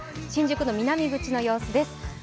新宿の南口様子です。